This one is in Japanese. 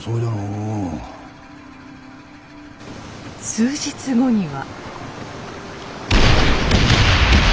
数日後には。